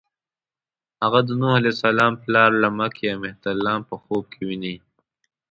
هغه د نوح علیه السلام پلار لمک یا مهترلام په خوب کې ويني.